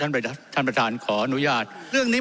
ไม่ได้เป็นประธานคณะกรุงตรี